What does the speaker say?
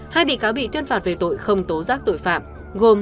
hai bị cáo bị tuyên phạt về tội không tố giác tội phạm gồm